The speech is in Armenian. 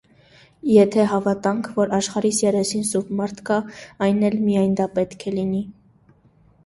Եթե հավատանք, որ աշխարհիս երեսին սուրբ մարդ կա, այն էլ միայն դա պետք է լինի…